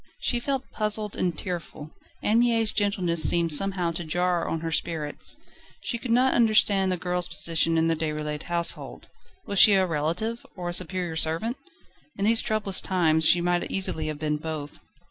She felt puzzled and tearful. Anne Mie's gentleness seemed somehow to jar on her spirits. She could not understand the girl's position in the Déroulède household. Was she a relative, or a superior servant? In these troublous times she might easily have been both.